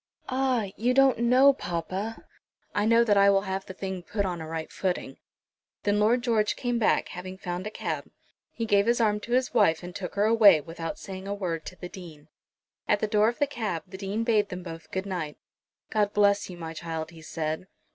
"Ah! you don't know, papa." "I know that I will have the thing put on a right footing." Then Lord George came back, having found a cab. He gave his arm to his wife and took her away, without saying a word to the Dean. At the door of the cab the Dean bade them both good night. "God bless you, my child," he said.